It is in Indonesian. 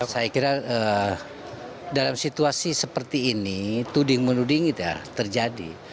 saya kira dalam situasi seperti ini tuding menuding itu ya terjadi